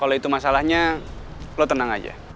kalau itu masalahnya lo tenang aja